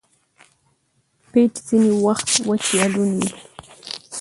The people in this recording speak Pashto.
پيچ ځیني وخت وچ یا لوند يي.